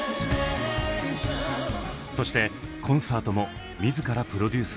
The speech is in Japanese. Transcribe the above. そしてコンサートも自らプロデュース。